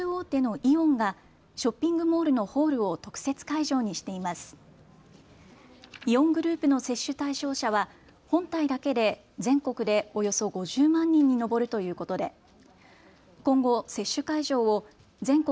イオングループの接種対象者は本体だけで全国でおよそ５０万人に上るということで今後、接種会場を全国